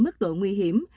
mức độ nguy hiểm